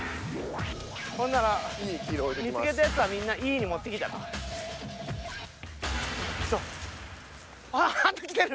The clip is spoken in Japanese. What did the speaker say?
ほんなら見つけたやつはみんなＥに持ってきたら？来とる？